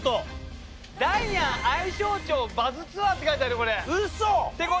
「ダイアン愛荘町バズツアー」って書いてあるよこれ。